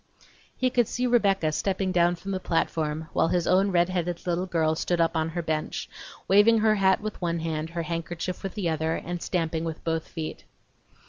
He could see Rebecca stepping down from the platform, while his own red headed little girl stood up on her bench, waving her hat with one hand, her handkerchief with the other, and stamping with both feet.